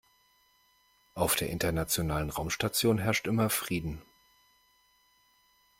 Auf der Internationalen Raumstation herrscht immer Frieden.